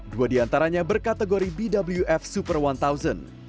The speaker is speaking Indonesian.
dua di antaranya berkategori bwf superb